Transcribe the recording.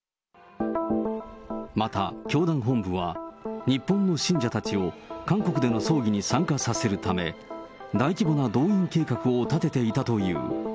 また、教団本部は、日本の信者たちを韓国での葬儀に参加させるため、大規模な動員計画を立てていたという。